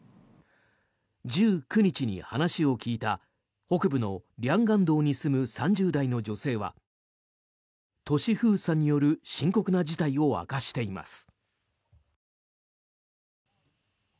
１９日に話を聞いた北部の両江道に住む３０代の女性は都市封鎖による深刻な事態を明かしています。